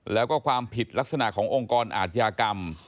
แล้วก็ความผิดลักษณะขององค์กรอาชญากรรม